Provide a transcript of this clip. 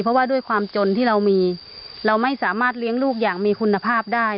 เพราะว่าด้วยความจนที่เรามีเราไม่สามารถเลี้ยงลูกอย่างมีคุณภาพได้